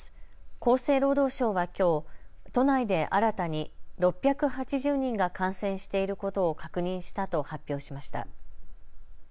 厚生労働省はきょう都内で新たに６８０人が感染していることを確認したと発表しました。